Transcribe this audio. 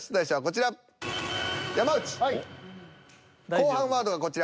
後半ワードがこちら。